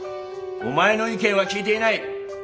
お前の意見は聞いていない。